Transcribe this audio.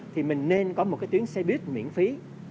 thì mình nên có một cái tuyến xe buýt miễn phí